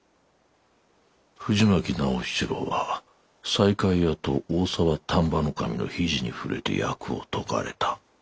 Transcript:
藤巻直七郎は西海屋と大沢丹波守の秘事に触れて役を解かれた。